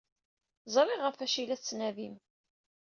Ẓriɣ ɣef wacu ay la tettnadim.